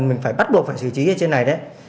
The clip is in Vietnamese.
mình phải bắt buộc phải xử trí ở trên này đấy